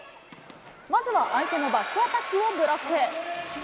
まずは相手のバックアタックをブロック。